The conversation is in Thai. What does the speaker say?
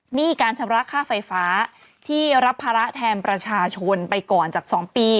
หนี้การชำระค่าไฟฟ้าที่รับภาระแทนประชาชนไปก่อนจาก๒ปี